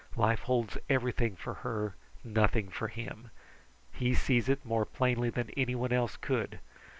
Life holds everything for her, nothing for him. He sees it more plainly than anyone else could.